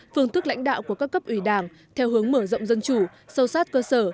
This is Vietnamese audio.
phương thức lãnh đạo của các cấp ủy đảng theo hướng mở rộng dân chủ sâu sát cơ sở